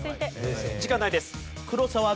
時間ないです。